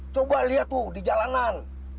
coba lihat tuh di jalanan